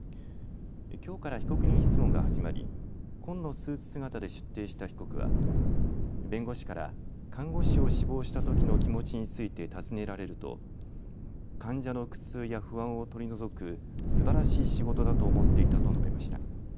きょうから被告人質問が始まり紺のスーツ姿で出廷した被告は弁護士から看護師を志望したときの気持ちについて尋ねられると患者の苦痛や不安を取り除くすばらしい仕事だと思っていたと述べました。